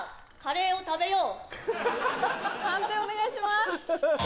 判定お願いします。